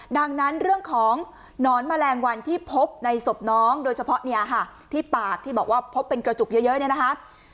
ดังนั้นเรื่องของหนอนแมลงวันที่พบในศพน้องโดยเฉพาะเนี่ยค่ะที่ปากที่บอกว่าพบเป็นกระจุกเยอะเนี่ยนะคะ